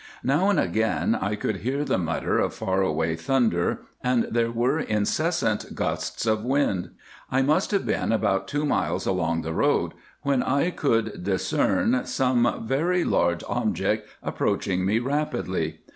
"Now and again I could hear the mutter of far away thunder, and there were incessant gusts of wind. I must have been about two miles along the road, when I could discern some very large object approaching me rapidly.